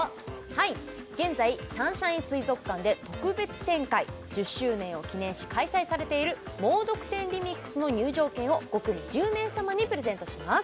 はい現在サンシャイン水族館で特別展開１０周年を記念し開催されている「もうどく展ＲｅＭｉｘ」の入場券を５組１０名様にプレゼントします